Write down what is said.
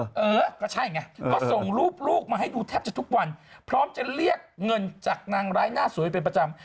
เออก็ใช่ไงก็ส่งรูปลูกมาให้ดูแทบจะทุกวันพร้อมจะเรียกเงินจากนางร้ายหน้าสวยเป็นประจำ